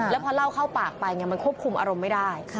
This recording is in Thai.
แล้วพอเล่าเข้าปากไปมันควบคุมอารมณ์ไม่ได้